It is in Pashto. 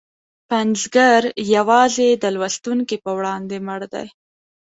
پنځګر یوازې د لوستونکي په وړاندې مړ دی.